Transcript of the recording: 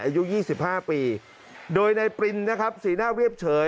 อายุ๒๕ปีโดยนายปริณภานิชพักษ์สีหน้าเรียบเฉย